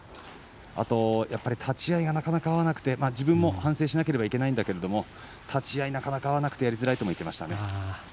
あと、立ち合いがなかなか合わなくて自分も反省しなければいけないんだけれども立ち合いなかなか合わなくてやりづらいとも言っていました。